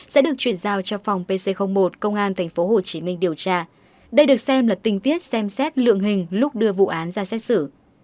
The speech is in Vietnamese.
sẽ được chuyển giao cho phòng pc một công an tp hcm điều tra đây được xem là tình tiết xem xét lượng hình lúc đưa vụ án ra xét xử